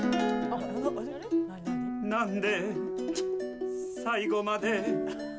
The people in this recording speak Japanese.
「何で最後まで」